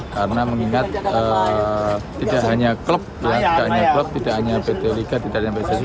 karena mengingat tidak hanya klub tidak hanya pt liga tidak hanya pt sesi